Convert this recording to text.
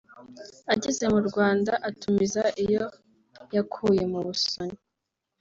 Ageze mu Rwanda atumiza iyo yakuye mu Busoni